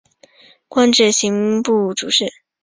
官至刑部主事。